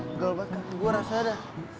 nggel banget gue rasa ada